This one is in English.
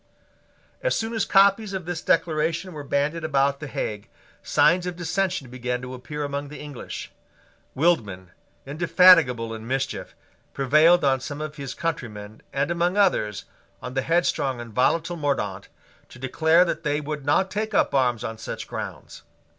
As soon as copies of this Declaration were banded about the Hague, signs of dissension began to appear among the English. Wildman, indefatigable in mischief, prevailed on some of his countrymen, and, among others, on the headstrong and volatile Mordaunt, to declare that they would not take up arms on such grounds.